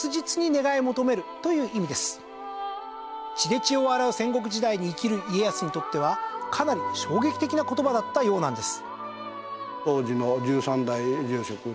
血で血を洗う戦国時代に生きる家康にとってはかなり衝撃的な言葉だったようなんです。